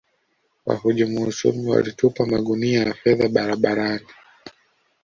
wahujumu uchumi walitupa magunia ya fedha barabarani